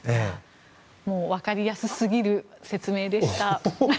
分かりやすスギる説明でした。